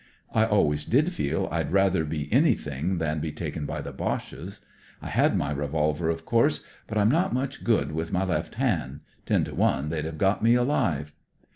I always did feel I'd rather anything than be taken by the Boches. I had my revolver, of course ; but I'm not much good with my left b Jid. Ten to one they'd have got me ahve.